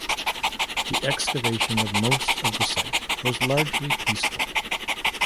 The evacuation of most of the site was largely peaceful.